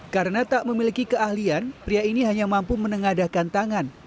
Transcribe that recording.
karena tak memiliki keahlian pria ini hanya mampu menengadakan tangan